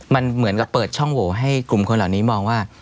มันเหมือนกับเปิดช่องโหวให้กลุ่มคนเหล่านี้มองว่า